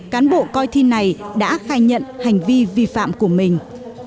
cán bộ coi thi này đã khai nhận hành vi vi phạm của mình